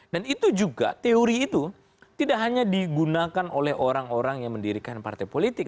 dan itu juga teori itu tidak hanya digunakan oleh orang orang yang mendirikan partai politik